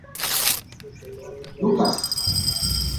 upépe ndekuarahýma.